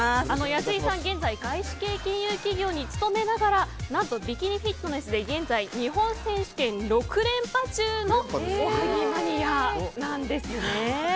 安井さんは現在外資系金融機関に勤めながら何とビキニフィットネスで現在、日本選手権で６連覇中のおはぎマニアなんですね。